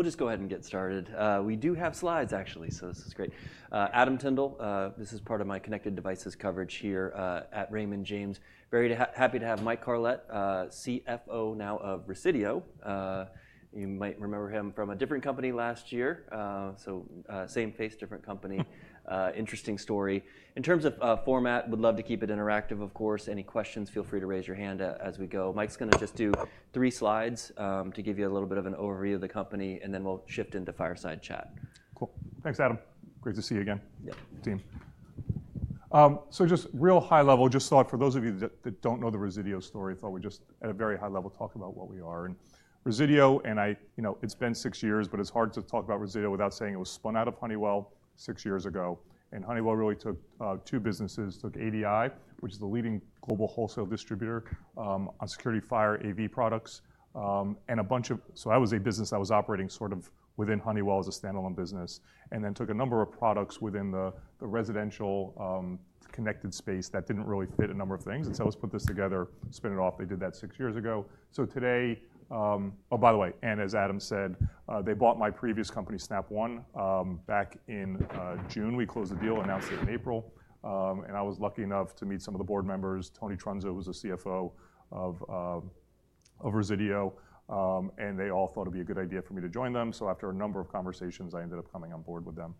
We'll just go ahead and get started. We do have slides, actually, so this is great. Adam Tyndall, this is part of my connected devices coverage here at Raymond James. Very happy to have Mike Carlet, CFO now of Resideo. You might remember him from a different company last year, so same face, different company. Interesting story. In terms of format, we'd love to keep it interactive, of course. Any questions, feel free to raise your hand as we go. Mike's going to just do three slides to give you a little bit of an overview of the company, and then we'll shift into fireside chat. Cool. Thanks, Adam. Great to see you again. Yeah. Team. So just real high level, just thought for those of you that don't know the Resideo story, thought we'd just, at a very high level, talk about what we are. And Resideo, and I, you know, it's been six years, but it's hard to talk about Resideo without saying it was spun out of Honeywell six years ago. And Honeywell really took two businesses, took ADI, which is the leading global wholesale distributor of security, fire, AV products, and a bunch of, so that was a business that was operating sort of within Honeywell as a standalone business, and then took a number of products within the residential connected space that didn't really fit a number of things. And so let's put this together, spin it off. They did that six years ago. So today, oh, by the way, and as Adam said, they bought my previous company, Snap One, back in June. We closed the deal, announced it in April. And I was lucky enough to meet some of the board members. Tony Trunzo was the CFO of Resideo, and they all thought it'd be a good idea for me to join them. So after a number of conversations, I ended up coming on board with them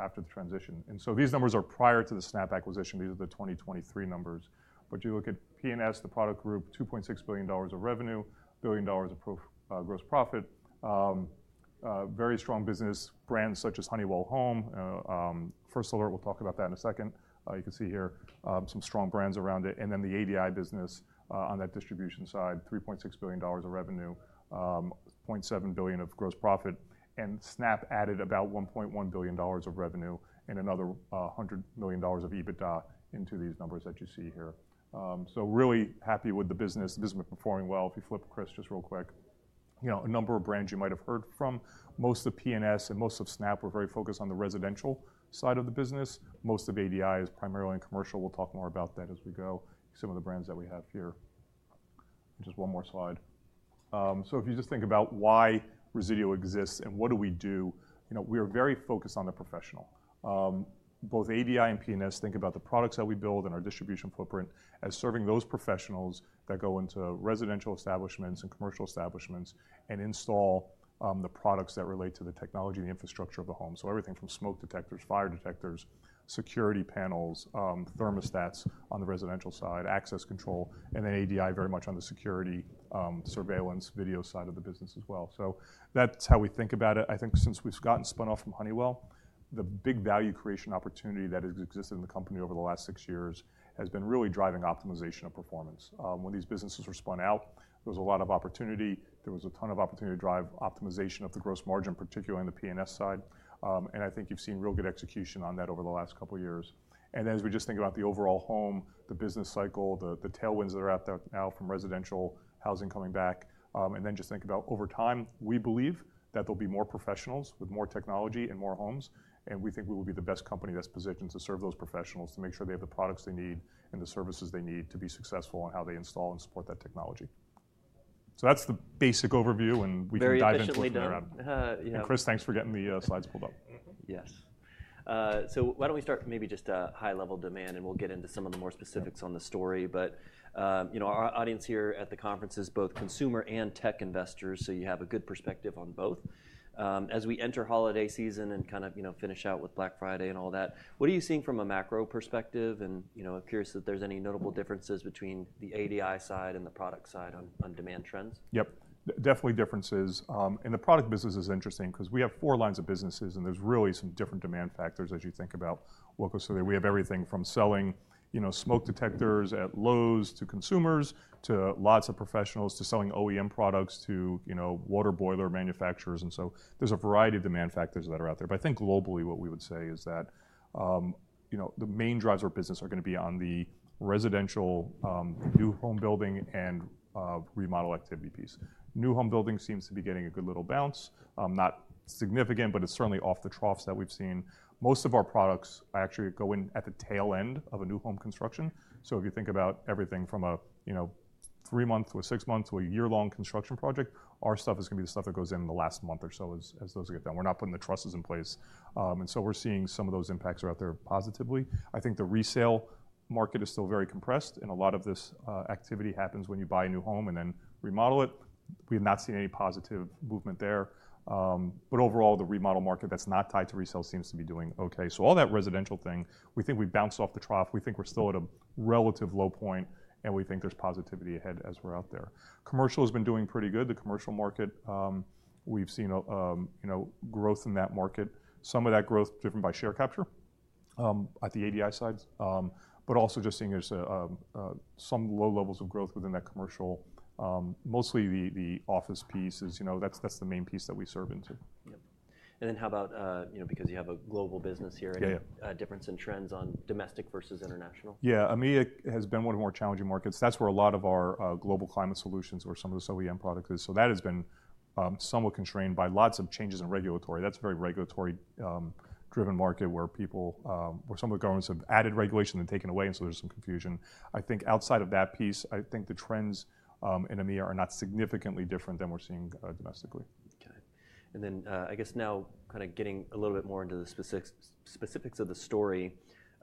after the transition. And so these numbers are prior to the Snap acquisition. These are the 2023 numbers. But you look at P&S, the product group, $2.6 billion of revenue, billion of gross profit, very strong business. Brands such as Honeywell Home, First Alert, we'll talk about that in a second. You can see here some strong brands around it. Then the ADI business on that distribution side, $3.6 billion of revenue, $0.7 billion of gross profit. Snap added about $1.1 billion of revenue and another $100 million of EBITDA into these numbers that you see here. Really happy with the business. The business has been performing well. If you flip, Chris, just real quick, you know, a number of brands you might have heard from. Most of P&S and most of Snap were very focused on the residential side of the business. Most of ADI is primarily in commercial. We'll talk more about that as we go. Some of the brands that we have here. Just one more slide. If you just think about why Resideo exists and what do we do, you know, we are very focused on the professional. Both ADI and P&S think about the products that we build and our distribution footprint as serving those professionals that go into residential establishments and commercial establishments and install the products that relate to the technology and the infrastructure of the home. So everything from smoke detectors, fire detectors, security panels, thermostats on the residential side, access control, and then ADI very much on the security surveillance video side of the business as well. So that's how we think about it. I think since we've gotten spun off from Honeywell, the big value creation opportunity that has existed in the company over the last six years has been really driving optimization of performance. When these businesses were spun out, there was a lot of opportunity. There was a ton of opportunity to drive optimization of the gross margin, particularly on the P&S side. And I think you've seen real good execution on that over the last couple of years. And then as we just think about the overall home, the business cycle, the tailwinds that are out there now from residential housing coming back, and then just think about over time, we believe that there'll be more professionals with more technology and more homes. And we think we will be the best company that's positioned to serve those professionals to make sure they have the products they need and the services they need to be successful in how they install and support that technology. So that's the basic overview, and we can dive into it later. And Chris, thanks for getting the slides pulled up. Yes. So why don't we start maybe just high level demand, and we'll get into some of the more specifics on the story. But, you know, our audience here at the conference is both consumer and tech investors, so you have a good perspective on both. As we enter holiday season and kind of, you know, finish out with Black Friday and all that, what are you seeing from a macro perspective? And, you know, curious if there's any notable differences between the ADI side and the product side on demand trends. Yep. Definitely differences. And the product business is interesting because we have four lines of businesses, and there's really some different demand factors as you think about what goes through there. We have everything from selling, you know, smoke detectors at Lowe's to consumers to lots of professionals to selling OEM products to, you know, water boiler manufacturers. And so there's a variety of demand factors that are out there. But I think globally what we would say is that, you know, the main drives of our business are going to be on the residential new home building and remodel activity piece. New home building seems to be getting a good little bounce, not significant, but it's certainly off the troughs that we've seen. Most of our products actually go in at the tail end of a new home construction. So if you think about everything from a, you know, three-month to a six-month to a year-long construction project, our stuff is going to be the stuff that goes in the last month or so as those get done. We're not putting the trusses in place, and so we're seeing some of those impacts are out there positively. I think the resale market is still very compressed, and a lot of this activity happens when you buy a new home and then remodel it. We have not seen any positive movement there, but overall, the remodel market that's not tied to resale seems to be doing okay, so all that residential thing, we think we bounced off the trough. We think we're still at a relative low point, and we think there's positivity ahead as we're out there. Commercial has been doing pretty good. The commercial market, we've seen, you know, growth in that market. Some of that growth driven by share capture at the ADI side, but also just seeing there's some low levels of growth within that commercial. Mostly the office piece is, you know, that's the main piece that we serve into. Yep. And then how about, you know, because you have a global business here, any difference in trends on domestic versus international? Yeah. EMEA has been one of the more challenging markets. That's where a lot of our global climate solutions or some of the OEM products is. So that has been somewhat constrained by lots of changes in regulatory. That's a very regulatory driven market where people, where some of the governments have added regulation and taken away, and so there's some confusion. I think outside of that piece, I think the trends in EMEA are not significantly different than we're seeing domestically. Okay. And then I guess now kind of getting a little bit more into the specifics of the story,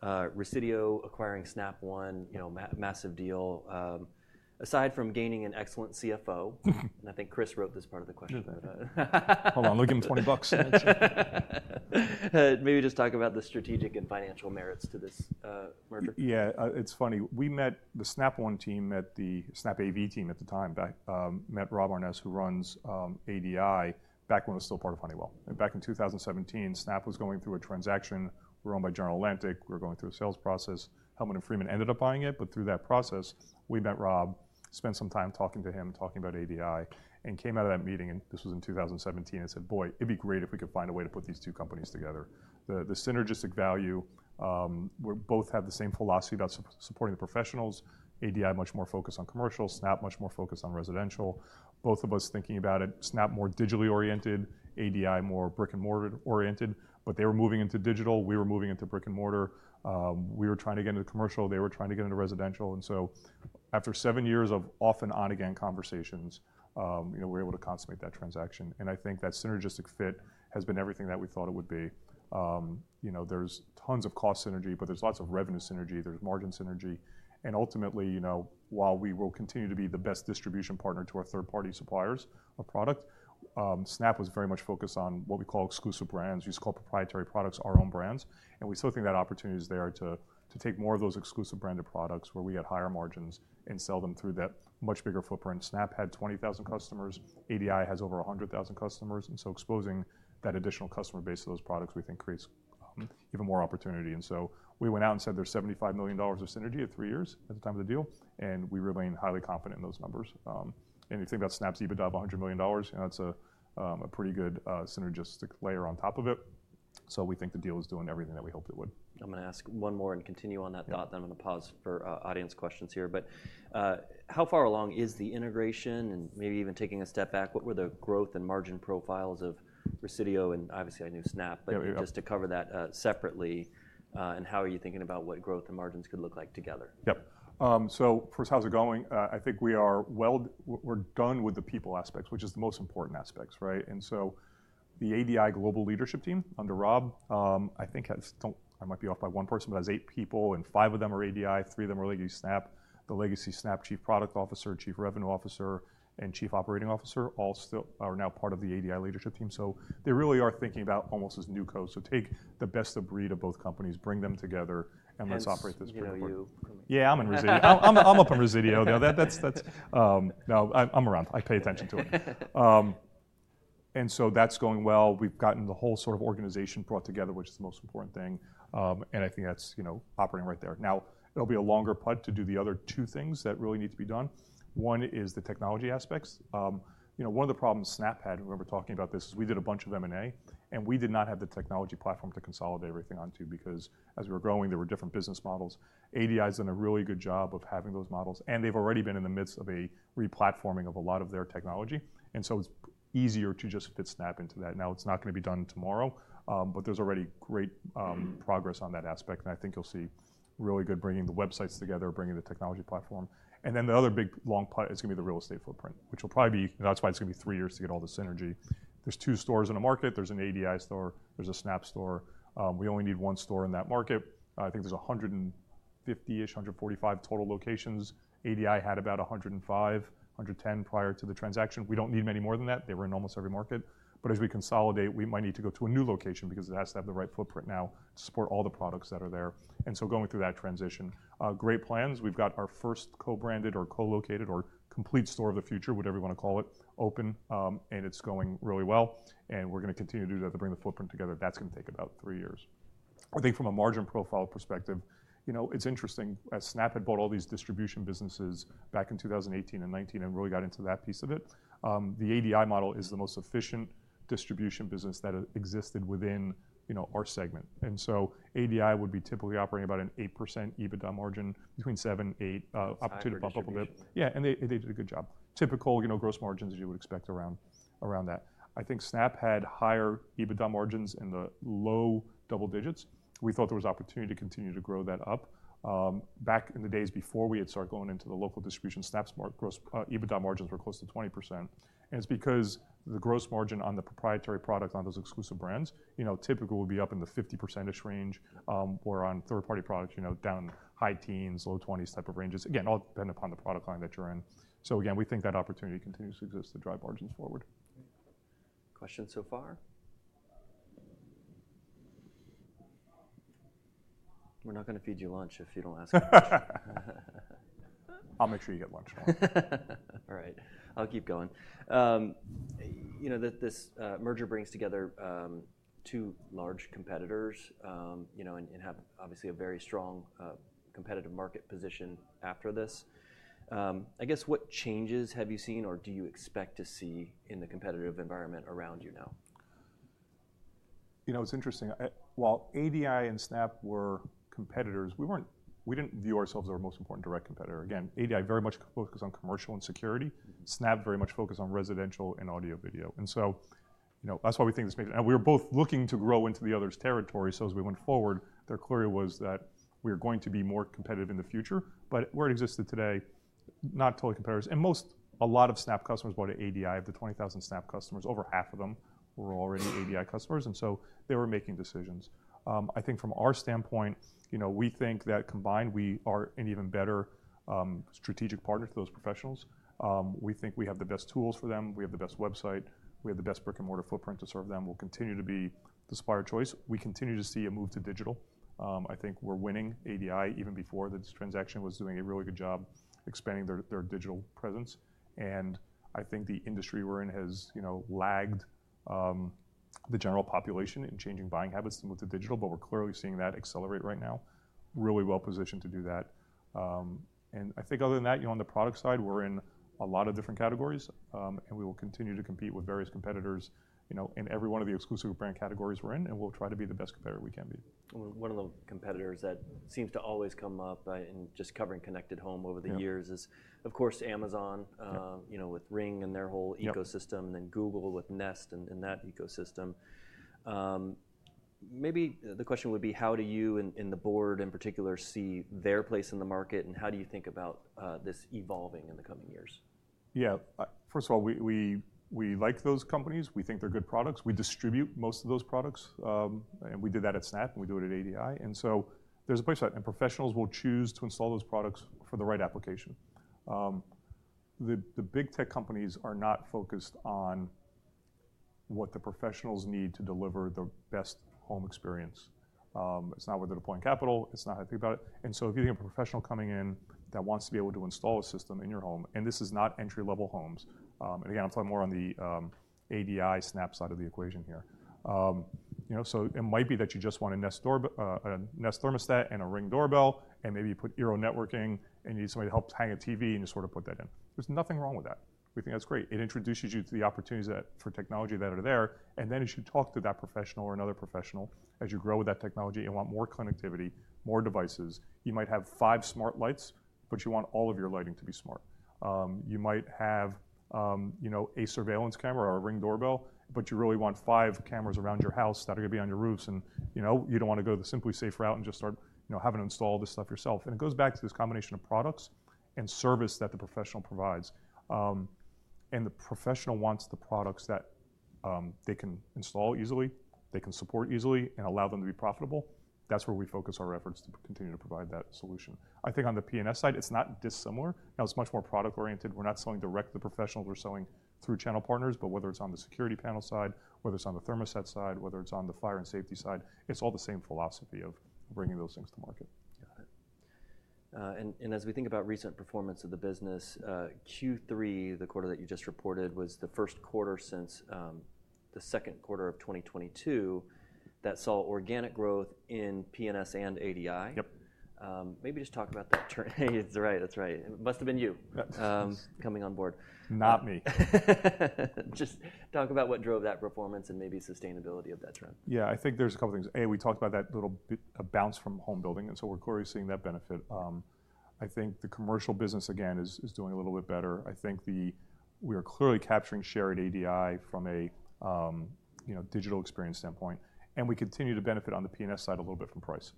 Resideo acquiring Snap One, you know, massive deal. Aside from gaining an excellent CFO, and I think Chris wrote this part of the question. Hold on, I'm looking at $20. Maybe just talk about the strategic and financial merits to this merger. Yeah. It's funny. We met the Snap One team at the SnapAV team at the time. I met Rob Aarnes, who runs ADI back when it was still part of Honeywell. And back in 2017, Snap was going through a transaction. We were owned by General Atlantic. We were going through a sales process. Hellman & Friedman ended up buying it. But through that process, we met Rob, spent some time talking to him, talking about ADI, and came out of that meeting, and this was in 2017, and said, "Boy, it'd be great if we could find a way to put these two companies together." The synergistic value, we both had the same philosophy about supporting the professionals. ADI much more focused on commercial, Snap much more focused on residential. Both of us thinking about it, Snap more digitally oriented, ADI more brick and mortar oriented. But they were moving into digital. We were moving into brick and mortar. We were trying to get into commercial. They were trying to get into residential. And so after seven years of off and on again conversations, you know, we were able to consummate that transaction. And I think that synergistic fit has been everything that we thought it would be. You know, there's tons of cost synergy, but there's lots of revenue synergy, there's margin synergy. And ultimately, you know, while we will continue to be the best distribution partner to our third party suppliers of product, Snap was very much focused on what we call Exclusive Brands, we just call proprietary products, our own brands. And we still think that opportunity is there to take more of those exclusive branded products where we had higher margins and sell them through that much bigger footprint. Snap had 20,000 customers. ADI has over 100,000 customers, and so exposing that additional customer base to those products, we think creates even more opportunity. We went out and said there's $75 million of synergy at three years at the time of the deal, and we remain highly confident in those numbers. You think about Snap's EBITDA of $100 million, you know, that's a pretty good synergistic layer on top of it. We think the deal is doing everything that we hoped it would. I'm going to ask one more and continue on that thought, then I'm going to pause for audience questions here. But how far along is the integration and maybe even taking a step back? What were the growth and margin profiles of Resideo and obviously I knew Snap, but just to cover that separately, and how are you thinking about what growth and margins could look like together? Yep. So first, how's it going? I think we are well. We're done with the people aspects, which is the most important aspects, right? The ADI Global leadership team under Rob, I think has. I might be off by one person, but has eight people, and five of them are ADI, three of them are legacy Snap. The legacy Snap Chief Product Officer, Chief Revenue Officer, and Chief Operating Officer all still are now part of the ADI leadership team, so they really are thinking about almost as new code, so take the best of breed of both companies, bring them together, and let's operate this brand together. Resideo, you for me. Yeah, I'm in Resideo. I'm up in Resideo. Now I'm around. I pay attention to it. And so that's going well. We've gotten the whole sort of organization brought together, which is the most important thing. And I think that's, you know, operating right there. Now, it'll be a longer put to do the other two things that really need to be done. One is the technology aspects. You know, one of the problems Snap had, and we were talking about this, is we did a bunch of M&A, and we did not have the technology platform to consolidate everything onto because as we were growing, there were different business models. ADI has done a really good job of having those models, and they've already been in the midst of a replatforming of a lot of their technology. And so it's easier to just fit Snap into that. Now it's not going to be done tomorrow, but there's already great progress on that aspect, and I think you'll see really good bringing the websites together, bringing the technology platform. And then the other big long putt is going to be the real estate footprint, which will probably be; that's why it's going to be three years to get all the synergy. There's two stores in a market. There's an ADI store. There's a Snap store. We only need one store in that market. I think there's 150-ish, 145 total locations. ADI had about 105, 110 prior to the transaction. We don't need many more than that. They were in almost every market. But as we consolidate, we might need to go to a new location because it has to have the right footprint now to support all the products that are there. And so, going through that transition, great plans. We've got our first co-branded or co-located or complete Store of the Future, whatever you want to call it, open, and it's going really well. And we're going to continue to do that, to bring the footprint together. That's going to take about three years. I think from a margin profile perspective, you know, it's interesting. Snap had bought all these distribution businesses back in 2018 and 2019 and really got into that piece of it. The ADI model is the most efficient distribution business that existed within, you know, our segment. And so ADI would be typically operating about an 8% EBITDA margin, between 7%-8%, up to bump up a bit. Yeah. And they did a good job. Typically, you know, gross margins as you would expect around that. I think Snap had higher EBITDA margins in the low double digits. We thought there was opportunity to continue to grow that up. Back in the days before we had started going into the local distribution, Snap's gross EBITDA margins were close to 20%. It's because the gross margin on the proprietary product on those Exclusive Brands, you know, typically will be up in the 50% range, or on third party products, you know, down high teens, low twenties type of ranges. Again, all depend upon the product line that you're in. Again, we think that opportunity continues to exist to drive margins forward. Questions so far? We're not going to feed you lunch if you don't ask. I'll make sure you get lunch. All right. I'll keep going. You know, this merger brings together two large competitors, you know, and have obviously a very strong competitive market position after this. I guess what changes have you seen or do you expect to see in the competitive environment around you now? You know, it's interesting. While ADI and Snap were competitors, we weren't, we didn't view ourselves as our most important direct competitor. Again, ADI very much focused on commercial and security. Snap very much focused on residential and audio video. And so, you know, that's why we think this may be, and we were both looking to grow into the other's territory. So as we went forward, it was clear that we were going to be more competitive in the future, but where it existed today, not totally competitors. And most, a lot of Snap customers bought from ADI. Of the 20,000 Snap customers, over half of them were already ADI customers. And so they were making decisions. I think from our standpoint, you know, we think that combined, we are an even better strategic partner to those professionals. We think we have the best tools for them. We have the best website. We have the best brick and mortar footprint to serve them. We'll continue to be the preferred choice. We continue to see a move to digital. I think we're winning. ADI even before the transaction was doing a really good job expanding their digital presence. And I think the industry we're in has, you know, lagged the general population in changing buying habits to move to digital, but we're clearly seeing that accelerate right now. Really well positioned to do that. And I think other than that, you know, on the product side, we're in a lot of different categories, and we will continue to compete with various competitors, you know, in every one of the exclusive brand categories we're in, and we'll try to be the best competitor we can be. One of the competitors that seems to always come up in just covering connected home over the years is, of course, Amazon, you know, with Ring and their whole ecosystem, and then Google with Nest in that ecosystem. Maybe the question would be, how do you and the board in particular see their place in the market, and how do you think about this evolving in the coming years? Yeah. First of all, we like those companies. We think they're good products. We distribute most of those products, and we did that at Snap, and we do it at ADI. And so there's a place that, and professionals will choose to install those products for the right application. The big tech companies are not focused on what the professionals need to deliver the best home experience. It's not where they're deploying capital. It's not how they think about it. And so if you think of a professional coming in that wants to be able to install a system in your home, and this is not entry level homes, and again, I'm talking more on the ADI Snap side of the equation here, you know, so it might be that you just want a Nest thermostat and a Ring doorbell, and maybe you put eero networking, and you need somebody to help hang a TV and you sort of put that in. There's nothing wrong with that. We think that's great. It introduces you to the opportunities for technology that are there. And then as you talk to that professional or another professional, as you grow with that technology, you want more connectivity, more devices. You might have five smart lights, but you want all of your lighting to be smart. You might have, you know, a surveillance camera or a Ring doorbell, but you really want five cameras around your house that are going to be on your roofs. And, you know, you don't want to go to the SimpliSafe route and just start, you know, having to install all this stuff yourself. And it goes back to this combination of products and service that the professional provides. And the professional wants the products that they can install easily, they can support easily, and allow them to be profitable. That's where we focus our efforts to continue to provide that solution. I think on the P&S side, it's not dissimilar. Now it's much more product oriented. We're not selling direct to the professionals. We're selling through channel partners, but whether it's on the security panel side, whether it's on the thermostat side, whether it's on the fire and safety side, it's all the same philosophy of bringing those things to market. Got it. And as we think about recent performance of the business, Q3, the quarter that you just reported, was the first quarter since the second quarter of 2022 that saw organic growth in P&S and ADI. Yep. Maybe just talk about that turn. Hey, that's right. That's right. It must have been you coming on board. Not me. Just talk about what drove that performance and maybe sustainability of that trend. Yeah. I think there's a couple of things. A, we talked about that little bounce from home building. And so we're clearly seeing that benefit. I think the commercial business, again, is doing a little bit better. I think we are clearly capturing share at ADI from a, you know, digital experience standpoint. And we continue to benefit on the P&S side a little bit from price.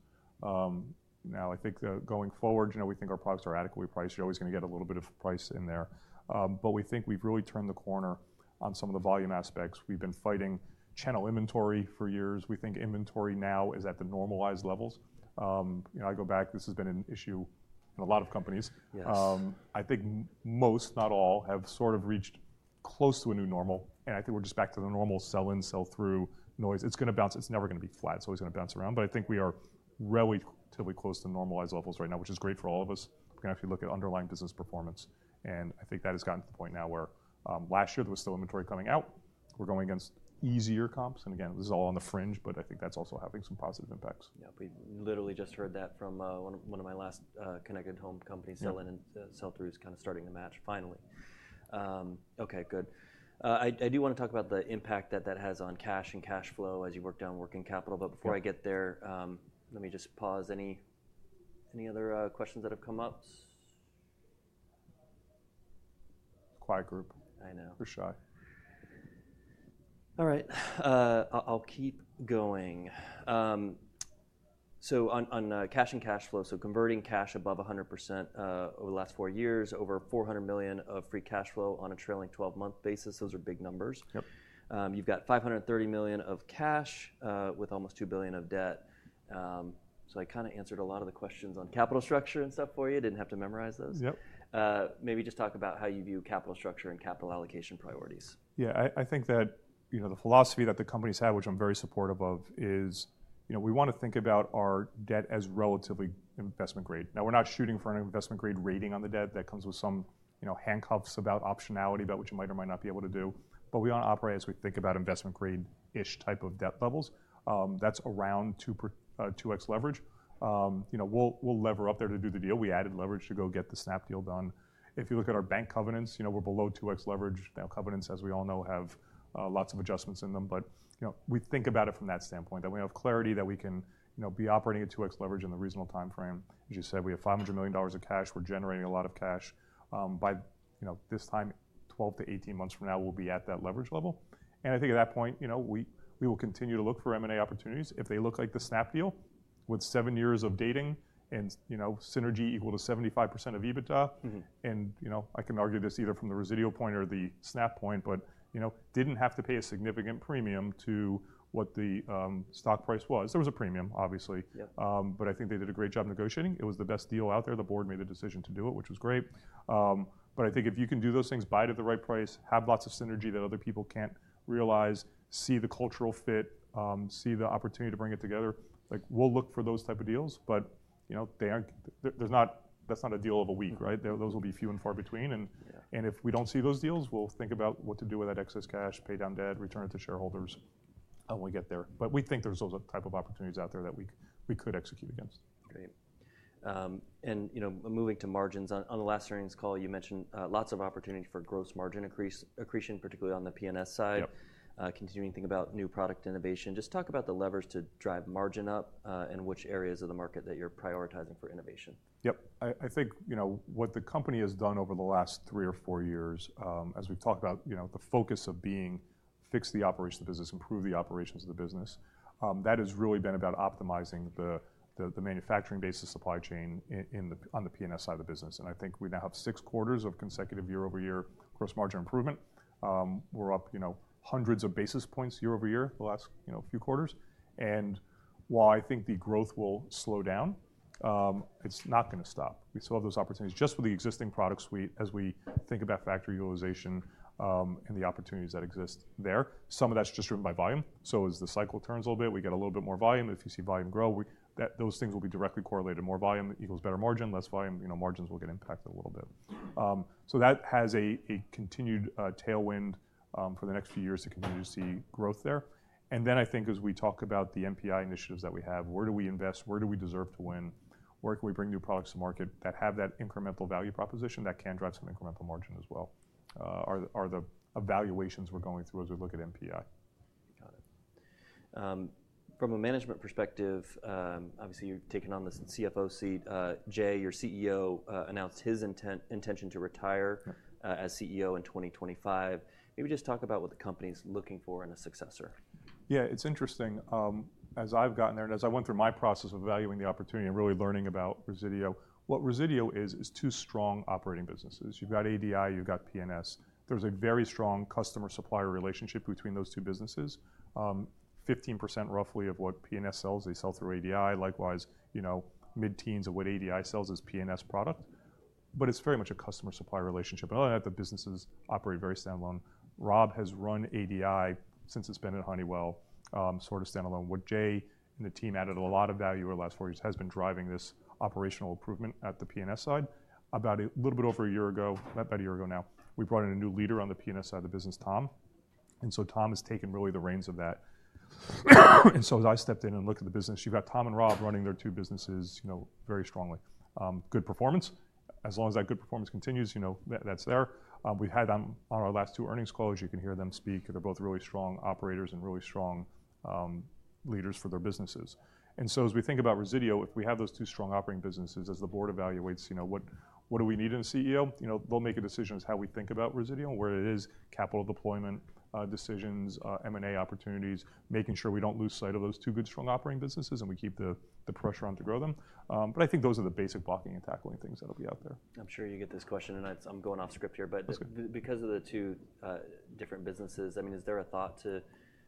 Now, I think going forward, you know, we think our products are adequately priced. You're always going to get a little bit of price in there. But we think we've really turned the corner on some of the volume aspects. We've been fighting channel inventory for years. We think inventory now is at the normalized levels. You know, I go back, this has been an issue in a lot of companies. I think most, not all, have sort of reached close to a new normal. And I think we're just back to the normal sell in, sell through noise. It's going to bounce. It's never going to be flat. It's always going to bounce around. But I think we are relatively close to normalized levels right now, which is great for all of us. We can actually look at underlying business performance. And I think that has gotten to the point now where last year there was still inventory coming out. We're going against easier comps. And again, this is all on the fringe, but I think that's also having some positive impacts. Yeah. We literally just heard that from one of my last connected home companies. Sell in and sell through is kind of starting to match finally. Okay. Good. I do want to talk about the impact that that has on cash and cash flow as you work down working capital. But before I get there, let me just pause. Any other questions that have come up? Quiet group. I know. We're shy. All right. I'll keep going. So on cash and cash flow, so converting cash above 100% over the last four years, over $400 million of free cash flow on a trailing 12-month basis. Those are big numbers. You've got $530 million of cash with almost $2 billion of debt. So I kind of answered a lot of the questions on capital structure and stuff for you. Didn't have to memorize those. Yep. Maybe just talk about how you view capital structure and capital allocation priorities. Yeah. I think that, you know, the philosophy that the company's had, which I'm very supportive of, is, you know, we want to think about our debt as relatively investment grade. Now, we're not shooting for an investment grade rating on the debt that comes with some, you know, handcuffs about optionality, about what you might or might not be able to do. But we want to operate as we think about investment grade-ish type of debt levels. That's around 2x leverage. You know, we'll lever up there to do the deal. We added leverage to go get the Snap deal done. If you look at our bank covenants, you know, we're below 2x leverage. Now, covenants, as we all know, have lots of adjustments in them. But you know, we think about it from that standpoint that we have clarity that we can, you know, be operating at 2x leverage in the reasonable timeframe. As you said, we have $500 million of cash. We're generating a lot of cash. By, you know, this time, 12-18 months from now, we'll be at that leverage level. And I think at that point, you know, we will continue to look for M&A opportunities. If they look like the Snap deal with seven years of dating and, you know, synergy equal to 75% of EBITDA. And, you know, I can argue this either from the Resideo point or the Snap point, but, you know, didn't have to pay a significant premium to what the stock price was. There was a premium, obviously. But I think they did a great job negotiating. It was the best deal out there. The board made a decision to do it, which was great. But I think if you can do those things, buy it at the right price, have lots of synergy that other people can't realize, see the cultural fit, see the opportunity to bring it together, like we'll look for those type of deals. But, you know, there's not, that's not a deal of a week, right? Those will be few and far between. And if we don't see those deals, we'll think about what to do with that excess cash, pay down debt, return it to shareholders, and we'll get there. But we think there's those type of opportunities out there that we could execute against. Great. And, you know, moving to margins, on the last earnings call, you mentioned lots of opportunity for gross margin accretion, particularly on the P&S side. Continuing to think about new product innovation. Just talk about the levers to drive margin up and which areas of the market that you're prioritizing for innovation. Yep. I think, you know, what the company has done over the last three or four years, as we've talked about, you know, the focus has been to fix the operations of the business, improve the operations of the business. That has really been about optimizing the manufacturing base, supply chain on the P&S side of the business. And I think we now have six quarters of consecutive year-over-year gross margin improvement. We're up, you know, hundreds of basis points year-over-year the last, you know, few quarters. And while I think the growth will slow down, it's not going to stop. We still have those opportunities just with the existing product suite as we think about factory utilization and the opportunities that exist there. Some of that's just driven by volume. So as the cycle turns a little bit, we get a little bit more volume. If you see volume grow, those things will be directly correlated. More volume equals better margin. Less volume, you know, margins will get impacted a little bit. So that has a continued tailwind for the next few years to continue to see growth there. And then I think as we talk about the NPI initiatives that we have, where do we invest? Where do we deserve to win? Where can we bring new products to market that have that incremental value proposition that can drive some incremental margin as well? Are the evaluations we're going through as we look at NPI? Got it. From a management perspective, obviously you've taken on the CFO seat. Jay, your CEO, announced his intention to retire as CEO in 2025. Maybe just talk about what the company's looking for in a successor. Yeah. It's interesting. As I've gotten there and as I went through my process of evaluating the opportunity and really learning about Resideo, what Resideo is, is two strong operating businesses. You've got ADI, you've got P&S. There's a very strong customer-supplier relationship between those two businesses. Roughly 15% of what P&S sells, they sell through ADI. Likewise, you know, mid-teens of what ADI sells is P&S product. But it's very much a customer-supplier relationship. And other than that, the businesses operate very standalone. Rob has run ADI since it's been at Honeywell, sort of standalone. What Jay and the team added a lot of value over the last four years has been driving this operational improvement at the P&S side. About a little bit over a year ago, about a year ago now, we brought in a new leader on the P&S side, the business, Tom. And so Tom has taken really the reins of that. And so as I stepped in and looked at the business, you've got Tom and Rob running their two businesses, you know, very strongly. Good performance. As long as that good performance continues, you know, that's there. We've had them on our last two earnings calls. You can hear them speak. They're both really strong operators and really strong leaders for their businesses. And so as we think about Resideo, if we have those two strong operating businesses, as the board evaluates, you know, what do we need in a CEO? You know, they'll make a decision as to how we think about Resideo and where it is, capital deployment decisions, M&A opportunities, making sure we don't lose sight of those two good, strong operating businesses and we keep the pressure on to grow them. But I think those are the basic blocking and tackling things that'll be out there. I'm sure you get this question, and I'm going off script here, but because of the two different businesses, I mean, is there a thought to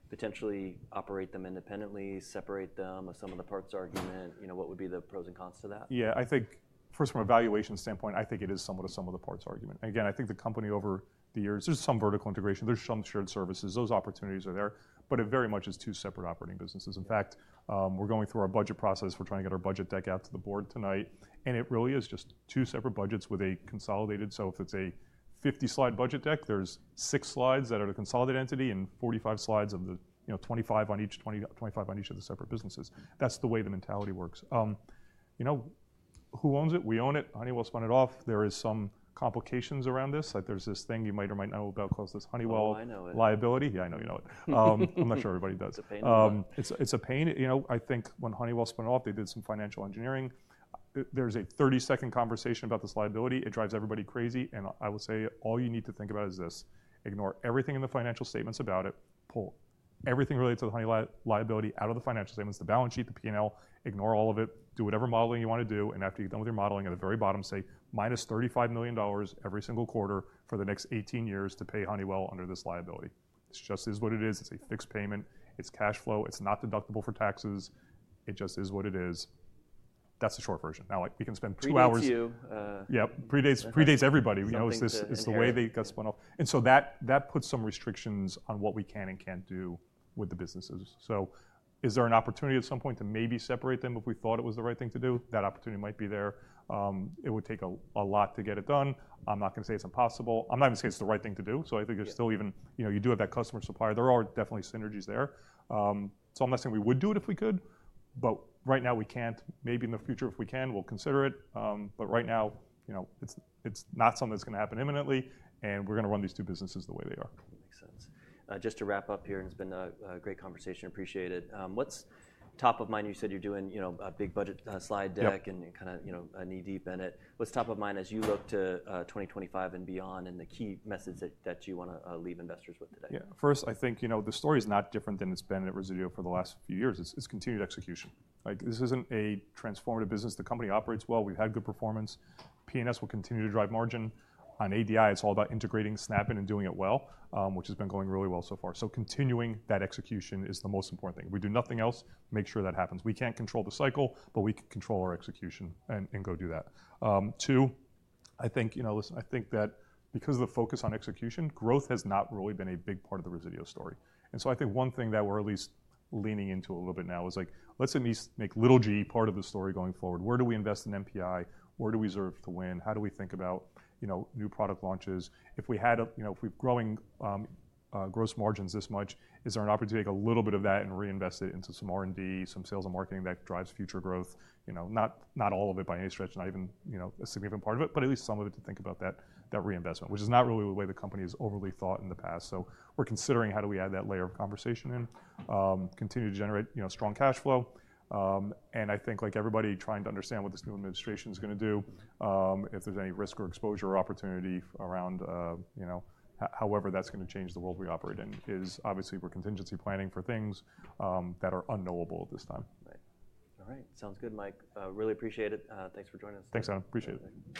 potentially operate them independently, separate them with some of the P&S argument? You know, what would be the pros and cons to that? Yeah. I think first, from a valuation standpoint, I think it is sum of the parts argument. Again, I think the company over the years, there's some vertical integration, there's some shared services. Those opportunities are there, but it very much is two separate operating businesses. In fact, we're going through our budget process. We're trying to get our budget deck out to the board tonight. And it really is just two separate budgets with a consolidated. So if it's a 50-slide budget deck, there's six slides that are the consolidated entity and 45 slides of the, you know, 25 on each, 25 on each of the separate businesses. That's the way the mentality works. You know, who owns it? We own it. Honeywell spun it off. There are some complications around this. There's this thing you might or might not know about called the Honeywell Liability. Yeah, I know you know it. I'm not sure everybody does. It's a pain. You know, I think when Honeywell spun it off, they did some financial engineering. There's a 30-second conversation about this liability. It drives everybody crazy. And I will say all you need to think about is this: ignore everything in the financial statements about it. Pull everything related to the Honeywell liability out of the financial statements, the balance sheet, the P&L. Ignore all of it. Do whatever modeling you want to do. And after you're done with your modeling, at the very bottom, say minus $35 million every single quarter for the next 18 years to pay Honeywell under this liability. It just is what it is. It's a fixed payment. It's cash flow. It's not deductible for taxes. It just is what it is. That's the short version. Now, we can spend two hours. Three Q. Yep. Predates everybody. You know, it's the way they got spun off, and so that puts some restrictions on what we can and can't do with the businesses. So is there an opportunity at some point to maybe separate them if we thought it was the right thing to do? That opportunity might be there. It would take a lot to get it done. I'm not going to say it's impossible. I'm not going to say it's the right thing to do, so I think there's still even, you know, you do have that customer supplier. There are definitely synergies there. It's almost like we would do it if we could, but right now we can't. Maybe in the future, if we can, we'll consider it, but right now, you know, it's not something that's going to happen imminently. We're going to run these two businesses the way they are. Makes sense. Just to wrap up here, and it's been a great conversation. Appreciate it. What's top of mind? You said you're doing, you know, a big budget slide deck and kind of, you know, knee-deep in it. What's top of mind as you look to 2025 and beyond and the key message that you want to leave investors with today? Yeah. First, I think, you know, the story is not different than it's been at Resideo for the last few years. It's continued execution. This isn't a transformative business. The company operates well. We've had good performance. P&S will continue to drive margin. On ADI, it's all about integrating Snap One and doing it well, which has been going really well so far. So continuing that execution is the most important thing. If we do nothing else, make sure that happens. We can't control the cycle, but we can control our execution and go do that. Two, I think, you know, listen, I think that because of the focus on execution, growth has not really been a big part of the Resideo story. And so I think one thing that we're at least leaning into a little bit now is like, let's at least make little G part of the story going forward. Where do we invest in NPI? Where do we deserve to win? How do we think about, you know, new product launches? If we had, you know, if we're growing gross margins this much, is there an opportunity to take a little bit of that and reinvest it into some R&D, some sales and marketing that drives future growth? You know, not all of it by any stretch, not even, you know, a significant part of it, but at least some of it to think about that reinvestment, which is not really the way the company has overly thought in the past. We're considering how do we add that layer of conversation in, continue to generate, you know, strong cash flow. I think like everybody trying to understand what this new administration is going to do, if there's any risk or exposure or opportunity around, you know, however that's going to change the world we operate in, is obviously we're contingency planning for things that are unknowable at this time. Right. All right. Sounds good, Mike. Really appreciate it. Thanks for joining us. Thanks, Adam. Appreciate it.